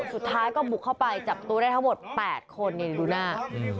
สุดท้ายก็บุกเข้าไปจับตัวได้ทั้งหมด๘คนนี่ดูหน้า